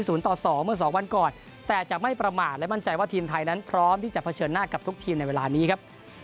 ต่อสองเมื่อสองวันก่อนแต่จะไม่ประมาทและมั่นใจว่าทีมไทยนั้นพร้อมที่จะเผชิญหน้ากับทุกทีมในเวลานี้ครับ